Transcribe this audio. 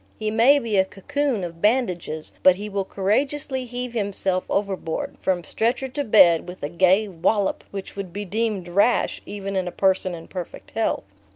He may be a cocoon of bandages, but he will courageously heave himself overboard, from stretcher to bed, with a gay wallop which would be deemed rash even in a person in perfect health.